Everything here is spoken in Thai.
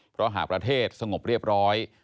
เพราะหากประเทศสงบเรียบร้อย